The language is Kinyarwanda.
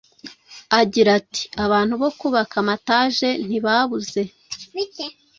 Agira ati “Abantu bo kubaka amataje ntibabuze